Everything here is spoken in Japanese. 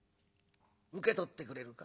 受け取ってくれるか？